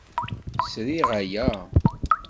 Sriɣ aya.